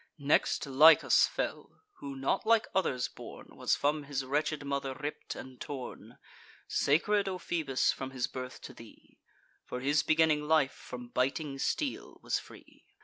Next, Lichas fell, who, not like others born, Was from his wretched mother ripp'd and torn; Sacred, O Phoebus, from his birth to thee; For his beginning life from biting steel was free.